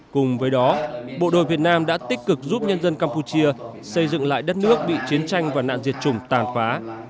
cùng với đó bộ đội việt nam đã tích cực giúp nhân dân campuchia xây dựng lại đất nước bị chiến tranh và nạn diệt chủng tàn phá